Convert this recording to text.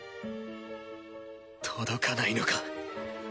届かないのか。